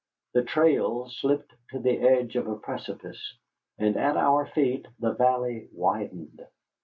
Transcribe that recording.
The trail slipped to the edge of a precipice, and at our feet the valley widened.